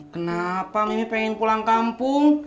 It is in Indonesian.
kenapa mimi pengen pulang kampung